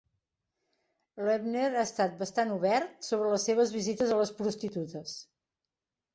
Loebner ha estat bastant obert sobre les seves visites a les prostitutes.